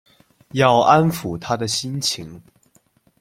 要安抚她的心情